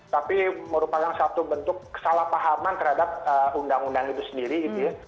tapi merupakan satu bentuk kesalahpahaman terhadap undang undang itu sendiri gitu ya